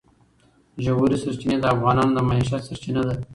ژورې سرچینې د افغانانو د معیشت سرچینه ده.